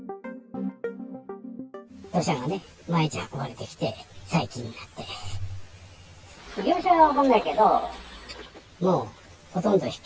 土砂がね、毎日運ばれてきて、最近になって。